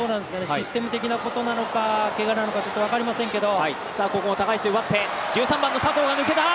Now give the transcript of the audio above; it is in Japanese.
システム的なことなのかけがなのかは分かりませんけど。